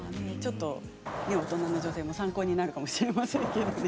大人の女性も参考になるかもしれませんけどね。